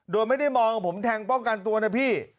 โดยไม่ได้มองผมแทงป้องกันตัวนะพี่